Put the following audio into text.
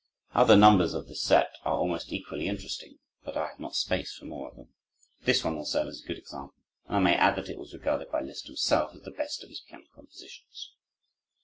Other numbers of this set are almost equally interesting, but I have not space for more of them. This one will serve as a good example, and I may add that it was regarded by Liszt himself as the best of his piano compositions.